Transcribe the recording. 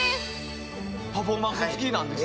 パフォーマンスつきなんです。